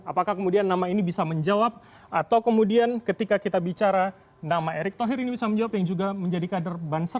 apakah kemudian nama ini bisa menjawab atau kemudian ketika kita bicara nama erick thohir ini bisa menjawab yang juga menjadi kader ban satu